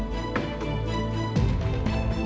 สงสัยบริเวณที่ได้